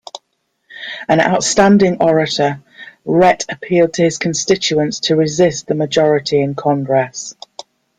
An outstanding orator, Rhett appealed to his constituents to resist the majority in Congress.